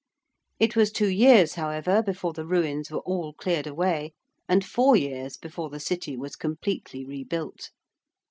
It was two years, however, before the ruins were all cleared away and four years before the City was completely rebuilt.